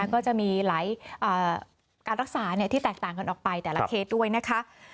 ก็จะมีหลายการรักษาที่แตกต่างกันออกไปแต่ละเคสด้วยนะคะ